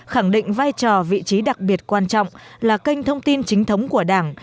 khẳng định vai trò vị trí đặc biệt quan trọng là kênh thông tin chính thống của đảng